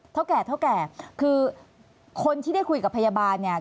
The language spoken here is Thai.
ท้าวแก่คือคนที่ได้คุยกับพยาบาลเนี่ย